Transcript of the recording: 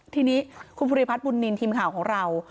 ทีนี้คุณภูริพัฒน์บุญนินทีมข่าวของเรา